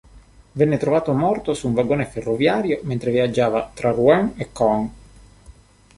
Venne trovato morto su un vagone ferroviario mentre viaggiava tra Rouen e Caen.